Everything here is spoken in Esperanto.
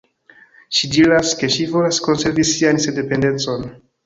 Ŝi diras, ke ŝi volas konservi sian sendependecon.